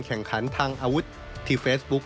แข่งขันทางอาวุธที่เฟซบุ๊ค